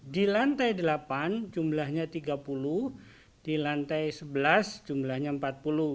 di lantai delapan jumlahnya tiga puluh di lantai sebelas jumlahnya empat puluh